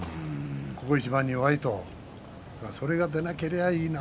ここ一番に弱いとそれが出なきゃいいな。